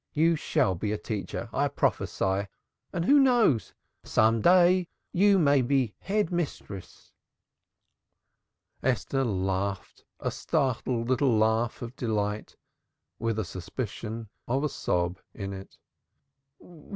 You shall be a teacher, I prophesy, and who knows? Some day you may be Head Mistress!" Esther laughed a startled little laugh of delight, with a suspicion of a sob in it.